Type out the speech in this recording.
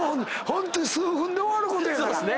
数分で終わることやから。